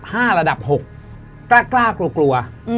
กล้ากล้ากลัวกลัว